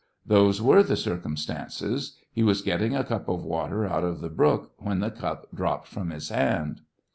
Those were the circumstances. He was getting a cup of water out of the brook, when Ik cup dropped from his hand.